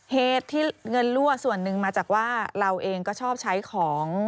เหตุที่เงินรั่วส่วนหนึ่งมาจากว่าเราเองก็ชอบใช้ของ